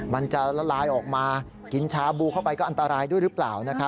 มันจะละลายออกมากินชาบูเข้าไปก็อันตรายด้วยหรือเปล่า